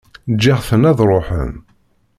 Ǧǧiɣ-ten ad ṛuḥen.